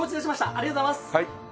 ありがとうございます！